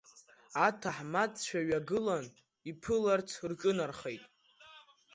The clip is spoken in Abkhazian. Аҭаҳмадцәа ҩагылан, иԥыларц рҿынархеит.